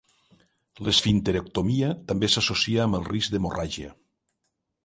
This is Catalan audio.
L'esfinterectomia també s'associa amb el risc d'hemorràgia.